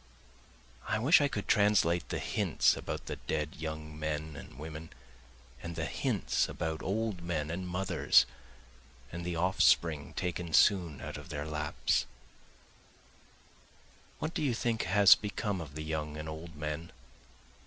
I wish I could translate the hints about the dead young men and women, And the hints about old men and mothers, and the offspring taken soon out of their laps. What do you think has become of the young and old men?